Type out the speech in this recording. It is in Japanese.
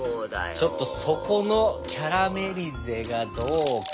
ちょっと底のキャラメリゼがどうか。